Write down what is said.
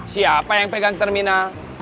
siapa yang pegang terminal